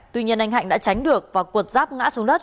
xin chào các bạn